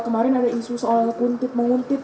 kemarin ada isu soal kuntip menguntit